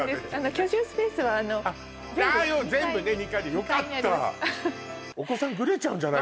居住スペースは全部２階によかった！